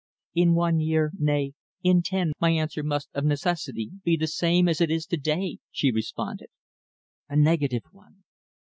"In one year, nay, in ten, my answer must, of necessity, be the same as it is to day," she responded. "A negative one."